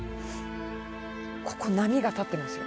ここ波が立ってますよ